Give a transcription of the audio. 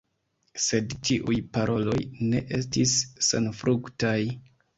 Sed tiuj paroloj ne estis senfruktaj.